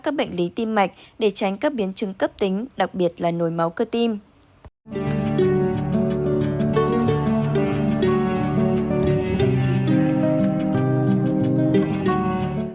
các bác sĩ khuyến cáo người dân đặc biệt là những người có yếu tố nguy cơ tim mạch cao như tầm soát các biến chứng cấp tính đặc biệt là những người có yếu tố nguy cơ tim mạch cao như tầm soát các biến chứng cấp tính